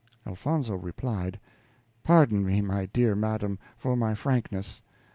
Elfonzo replied, "Pardon me, my dear madam, for my frankness.